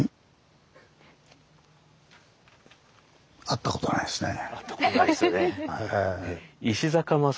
会ったことないですよね。